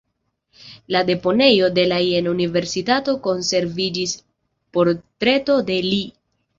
En deponejo de la Jena-universitato konserviĝis portreto de li.